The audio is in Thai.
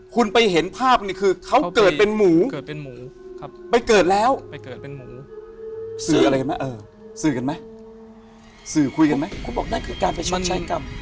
คุณบอกนั่นคือการไปชดใช้กรรม